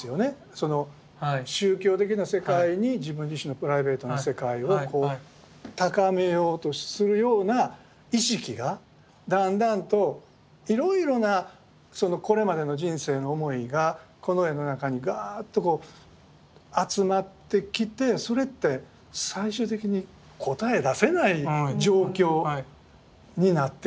その宗教的な世界に自分自身のプライベートな世界を高めようとするような意識がだんだんといろいろなこれまでの人生の思いがこの絵の中にガーッとこう集まってきてそれって最終的に答え出せない状況になってきていると思うんですね。